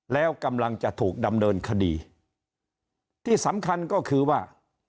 แล้วกำลังจะถูกดำเนินคดีที่สำคัญก็คือว่า